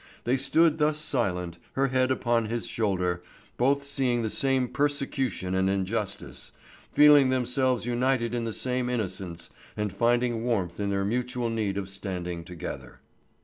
They stood thus silent, her head upon his shoulder, both seeing the same persecution and injustice, feeling themselves united in the same innocence, and finding warmth in their mutual need of standing together.